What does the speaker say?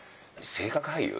性格俳優？